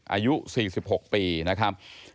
อายุ๔๖ปีนะครับ